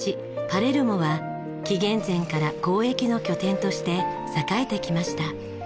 パレルモは紀元前から交易の拠点として栄えてきました。